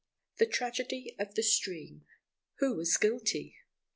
_The Tragedy of the Stream. Who was Guilty?